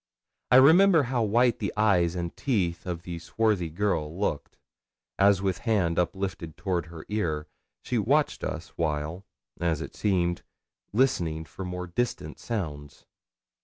I remember how white the eyes and teeth of the swarthy girl looked, as with hand uplifted toward her ear, she watched us while, as it seemed, listening for more distant sounds.